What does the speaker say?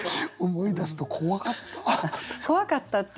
思い出すと怖かった。